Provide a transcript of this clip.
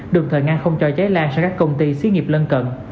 đồng thời ngăn không cho cháy lan sang các công ty xí nghiệp lân cận